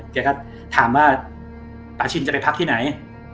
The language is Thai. แกก็ถามว่าปาชินจะไปพักที่ไหน